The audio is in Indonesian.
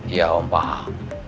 ya om paham